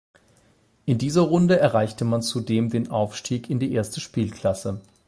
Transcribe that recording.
In dieser Runde erreichte man zudem den Aufstieg in die erste Spielklasse.